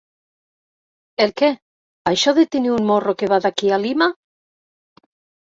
El què, això de tenir un morro que va d'aquí a Lima?